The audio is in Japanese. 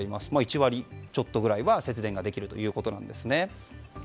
１割ちょっとぐらいは節電ができるということです。